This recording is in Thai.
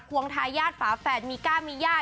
วงทายาทฝาแฝดมีก้ามีย่า